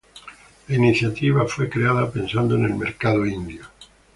La iniciativa fue creada pensando en el mercado Indio.